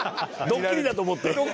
ドッキリだと思って。